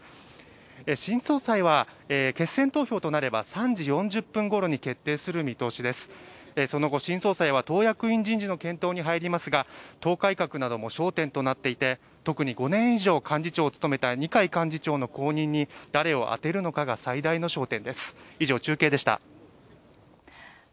新総裁は決選投票となれば３時４０分ごろに決定する見通し、その後新総裁は党役員人事に入りますが党改革なども焦点となっていて特に５年以上幹事長をつとめた二階幹事長の後任に誰をあてるのかが最大の焦点。